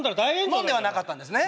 飲んではなかったんですね？